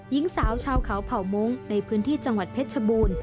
หญิงสาวชาวเขาเผ่ามุ้งในพื้นที่จังหวัดเพชรชบูรณ์